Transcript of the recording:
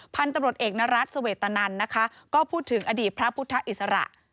พันธุ์ตำรวจเอกนรัฐเสวตนันนะคะก็พูดถึงอดีตพระพุทธอิสระ